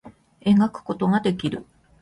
絵描くことができる